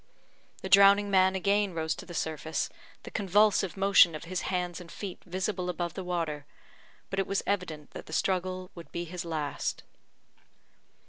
The drowning man again rose to the surface, the convulsive motion of his hands and feet visible above the water, but it was evident that the struggle would be his last.